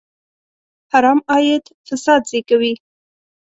حرام عاید فساد زېږوي.